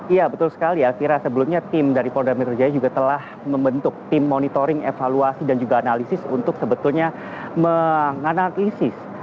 iya betul sekali elvira sebelumnya tim dari polda metro jaya juga telah membentuk tim monitoring evaluasi dan juga analisis untuk sebetulnya menganalisis